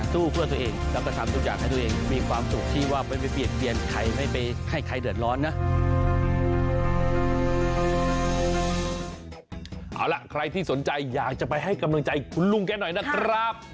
ทุกวันเนี่ยครับเราให้กำลังใจตัวเองครับ